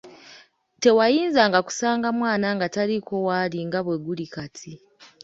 Tewayinzanga kusanga mwana nga taliiko w'ali nga bwe guli kati.